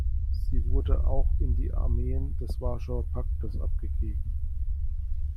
Sie wurde auch an die Armeen des Warschauer Paktes abgegeben.